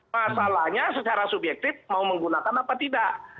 masalahnya secara subjektif mau menggunakan apa tidak